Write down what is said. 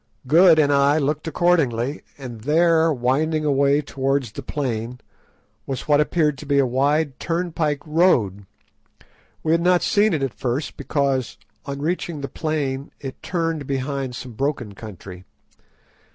Good and I looked accordingly, and there, winding away towards the plain, was what appeared to be a wide turnpike road. We had not seen it at first because, on reaching the plain, it turned behind some broken country.